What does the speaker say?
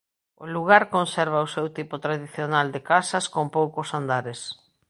O lugar conserva o seu tipo tradicional de casas con poucos andares.